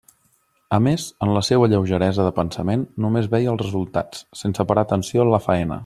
A més, en la seua lleugeresa de pensament, només veia els resultats, sense parar atenció en la faena.